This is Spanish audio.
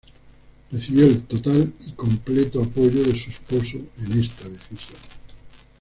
Recibió el total y completo apoyo de su esposo en esta decisión.